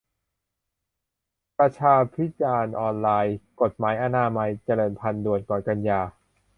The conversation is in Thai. ประชาพิจารณ์ออนไลน์ - กฎหมายอนามัยเจริญพันธุ์ ด่วน ก่อนกันยา